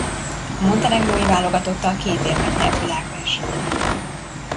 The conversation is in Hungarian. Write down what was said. A montenegrói válogatottal két érmet nyert világversenyen.